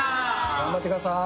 頑張ってください。